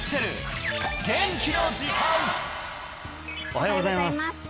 おはようございます